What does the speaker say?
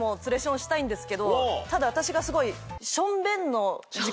ただ私がすごい。